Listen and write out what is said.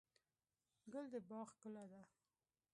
ګل د باغ ښکلا ده.